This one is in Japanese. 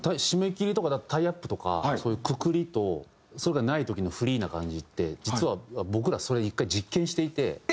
締め切りとかタイアップとかそういうくくりとそれがない時のフリーな感じって実は僕らそれ１回実験していて。